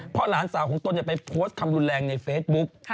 เพราะหลานสาวของตนไปโพสต์คำรุนแรงในเฟซบุ๊ก